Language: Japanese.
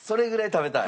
食べたい。